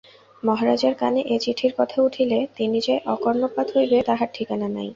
মহারাজের কানে এ চিঠির কথা উঠিলে কি যে অনর্থপাত হইবে তাহার ঠিকানা নাই।